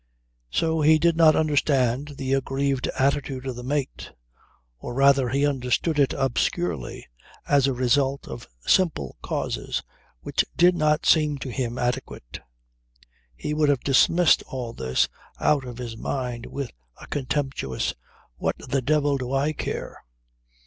So he did not understand the aggrieved attitude of the mate or rather he understood it obscurely as a result of simple causes which did not seem to him adequate. He would have dismissed all this out of his mind with a contemptuous: 'What the devil do I care?'